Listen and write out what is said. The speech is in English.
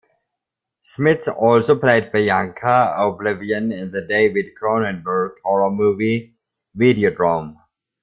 Smits also played Bianca O'Blivion in the David Cronenberg horror movie "Videodrome".